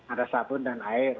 ada sabun dan air